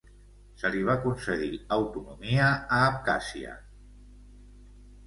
Se li va concedir autonomia a Abkhàzia.